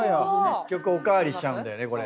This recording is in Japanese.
結局お代わりしちゃうんだよね。